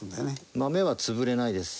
豆は潰れないです。